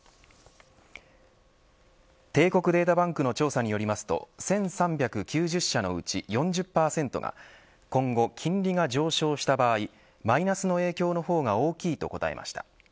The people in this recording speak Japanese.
帝国データバンクの調査によりますと１３９０社のうち４０％が今後、金利が上昇した場合マイナスの影響の方が大きいと答えました。